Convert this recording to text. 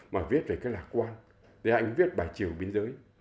mà viết về cái lạc quan để anh viết bài chiều biên giới